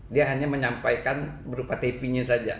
dia hanya menyampaikan berupa tp nya saja